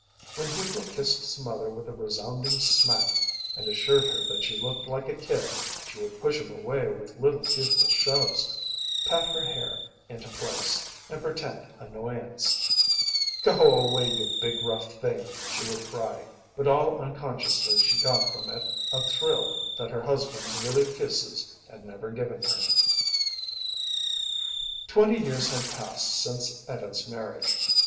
When Hugo kissed his mother with a resounding smack and assured her that she looked like a kid she would push him away with little futile shoves, pat her hair into place, and pretend annoyance. "Go away, you big rough thing!" she would cry. But all unconsciously she got from it a thrill that her husband's withered kisses had never given her. Twelve years had passed since Etta's marriage.